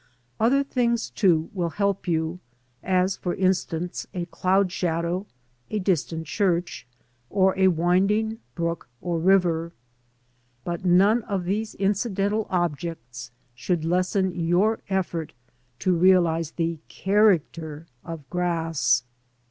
Other things, too, will help you, as for instance a cloud shadow, a distant church, or a winding brook or river. But none of these incidental objects should lessen your effort to realise the character of grass.